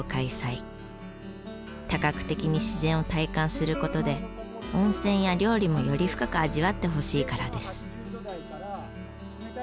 多角的に自然を体感する事で温泉や料理もより深く味わってほしいからです。